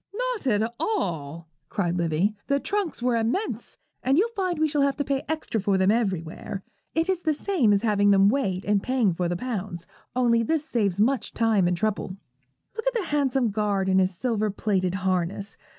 'Not at all,' cried Livy; 'the trunks were immense, and you'll find we shall have to pay extra for them everywhere. It is the same as having them weighed and paying for the pounds, only this saves much time and trouble. Look at the handsome guard in his silver plated harness.